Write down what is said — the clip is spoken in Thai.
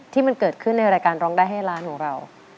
ที่มันเกิดขึ้นในรายการร้องได้ให้ร้านของเรา